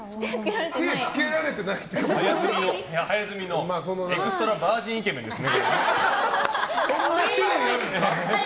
手つけられてないって早摘みのエクストラバージンイケメンですね。